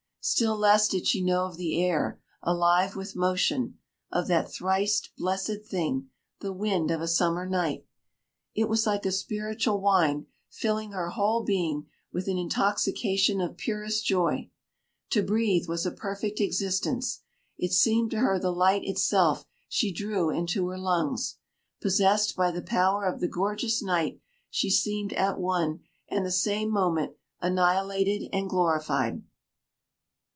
Still less did she know of the air alive with motion of that thrice blessed thing, the wind of a summer night. It was like a spiritual wine, filling her whole being with an intoxication of purest joy. To breathe was a perfect existence. It seemed to her the light itself she drew into her lungs. Possessed by the power of the gorgeous night, she seemed at one and the same moment annihilated and glorified.